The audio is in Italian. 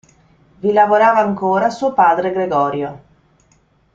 Vi lavorava ancora suo padre Gregorio.